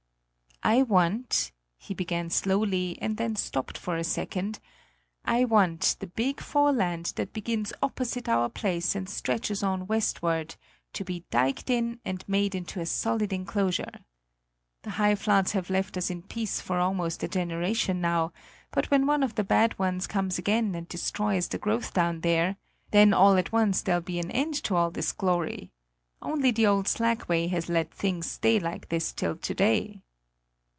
"I want," he began slowly and then stopped for a second, "I want the big foreland that begins opposite our place and stretches on westward to be diked in and made into a solid enclosure. The high floods have left us in peace for almost a generation now; but when one of the bad ones comes again and destroys the growth down there then all at once there'll be an end to all this glory. Only the old slackway has let things stay like this till to day."